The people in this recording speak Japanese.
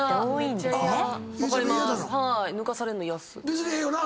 別にええよな？